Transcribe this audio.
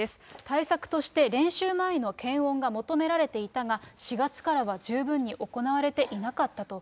対策として練習前の検温が求められていたが、４月からは十分に行われていなかったと。